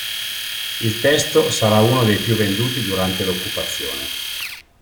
Il testo sarà uno dei più venduti durante l'occupazione.